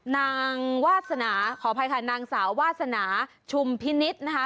นางวาสนาขออภัยค่ะนางสาววาสนาชุมพินิษฐ์นะคะ